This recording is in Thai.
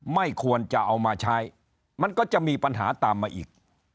ไม่ควรจะเอามาใช้มันก็จะมีปัญหาตามมาอีก